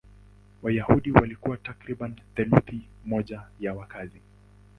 Wayahudi walikuwa takriban theluthi moja ya wakazi.